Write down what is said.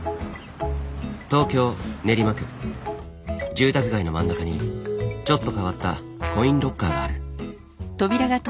住宅街の真ん中にちょっと変わったコインロッカーがある。